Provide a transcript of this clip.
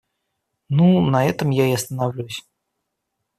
Ну, на этом я и остановлюсь.